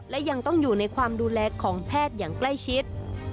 และยังต้องอยู่ในความดูแลของแพทย์อย่างใกล้ชิด